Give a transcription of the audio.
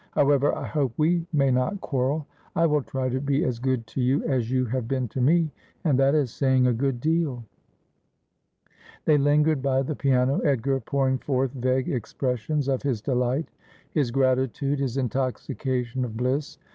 However, I hope we may not quarrel. I will try to be as good to you as you have been to me ; and that is saying a good deal.' They lingered by tbe piano, Edgar pouring forth vague expressions of his delight, his gratitude, his intoxication of bliss.